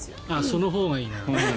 そのほうがいいな。